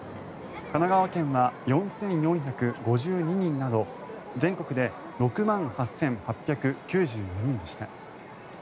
神奈川県は４４５２人など全国で６万８８９４人でした。